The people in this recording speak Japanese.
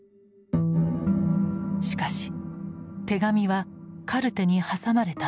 しかし手紙はカルテに挟まれたまま。